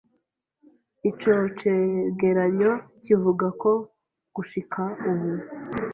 Ico cegeranyo kivuga ko gushika ubu